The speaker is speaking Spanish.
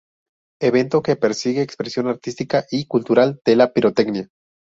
Evento que persigue expresión artística y cultural de la pirotecnia.